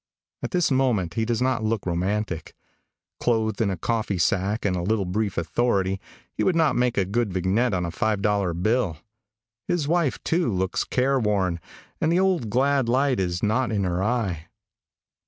At this moment he does not look romantic. Clothed in a coffee sack and a little brief authority, he would not make a good vignette on a $5 bill. His wife, too, looks careworn, and the old glad light is not in her eye.